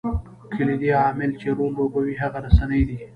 کلیدي عامل چې رول لوبوي هغه رسنۍ دي.